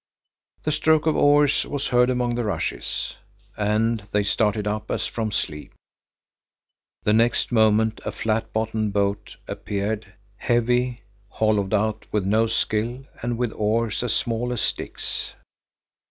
The stroke of oars was heard among the rushes, and they started up as from sleep. The next moment a flat bottomed boat appeared, heavy, hollowed out with no skill and with oars as small as sticks.